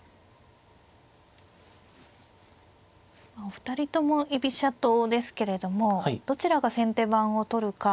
お二人とも居飛車党ですけれどもどちらが先手番を取るか